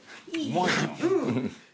うまい。